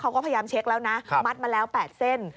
เขาก็พยายามเช็คแล้วนะมัดมาแล้ว๘เส้น